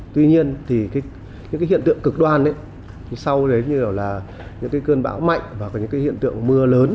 tuy nhiên thì những cái hiện tượng cực đoan ấy sau đấy như là những cái cơn bão mạnh và những cái hiện tượng mưa lớn